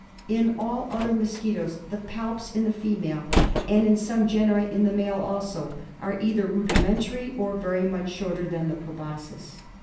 In all other mosquitoes the palps in the female, and in some genera in the male also, are either rudimentary or very much shorter than the proboscis.